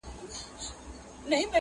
نه مو سر نه مو مالونه په امان وي٫